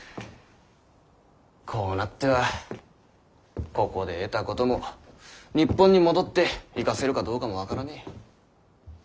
こうなってはここで得たことも日本に戻って生かせるかどうかも分からねぇ。